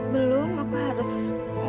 belum aku harus muter muter lagi